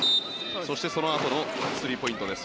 そしてそのあとのスリーポイントです。